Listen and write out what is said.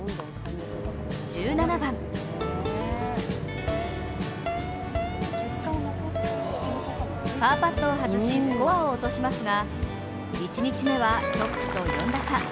１７番パーパットを外しスコアを落しますが１日目は、トップと４打差。